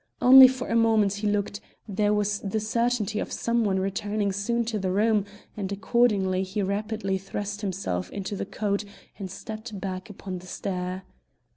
Only for a moment he looked; there was the certainty of some one returning soon to the room, and accordingly he rapidly thrust himself into the coat and stepped back upon the stair.